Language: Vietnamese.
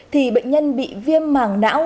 thì bệnh nhân bị viêm màng não